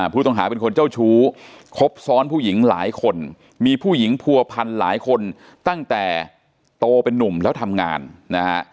ผู้ต้องหาเป็นคนเจ้าชู้ครบซ้อนผู้หญิงหลายคนมีผู้หญิงผัวพันหลายคนตั้งแต่โตเป็นนุ่มแล้วทำงานนะฮะ